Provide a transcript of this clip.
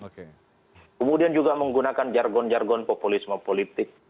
kemudian juga menggunakan jargon jargon populisme politik